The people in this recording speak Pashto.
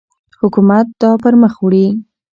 حکومت دا پرمخ وړي.